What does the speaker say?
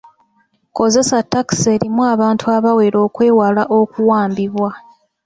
Kozesa ttakisi erimu abantu abawera okwewala okuwambibwa.